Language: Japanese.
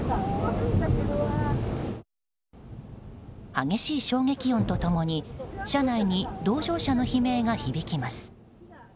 激しい衝撃音と共に車内に同乗者の悲鳴が響きます。